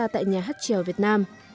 tại nhà hát trèo việt nam